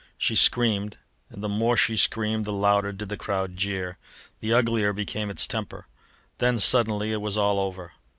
She screamed, and the more she screamed the louder did the crowd jeer, the uglier became its temper. Then suddenly it was all over.